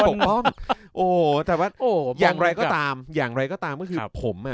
ถูกต้องโอ้แต่ว่าอย่างไรก็ตามอย่างไรก็ตามก็คือผมอ่ะ